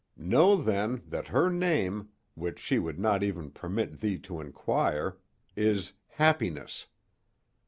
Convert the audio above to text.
Know, then, that her name, which she would not even permit thee to inquire, is Happiness.